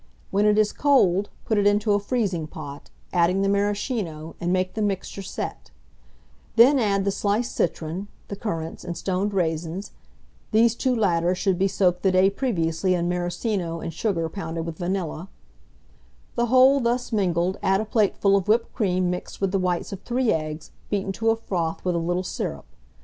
When it is cold, put it into a freezing pot, adding the Maraschino, and make the mixture set; then add the sliced citron, the currants, and stoned raisins (these two latter should be soaked the day previously in Maraschino and sugar pounded with vanilla); the whole thus mingled, add a plateful of whipped cream mixed with the whites of 3 eggs, beaten to a froth with a little syrup.